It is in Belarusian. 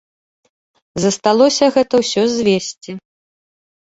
Засталося гэта ўсё звесці.